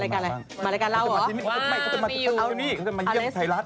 เขาจะมาที่นี่เขาจะมาเยี่ยมไทรรัส